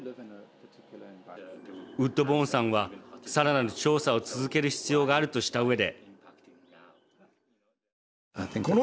ウッドボーンさんはさらなる調査を続ける必要があるとした上で。